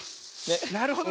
なるほどね。